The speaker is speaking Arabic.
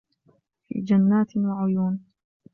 في جنات وعيون